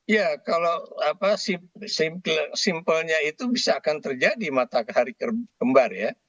ya kalau simpelnya itu bisa akan terjadi matahari kembar ya